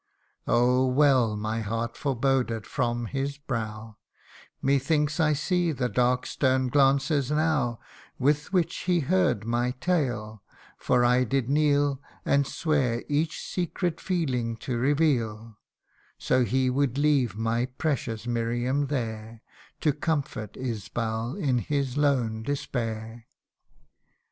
Oh ! well my heart foreboded from his brow : Methinks I see the dark stern glances now, With which he heard my tale, for I did kneel And swear each secret feeling to reveal, So he would leave my precious Miriam there, To comfort Isbal in his lone despair.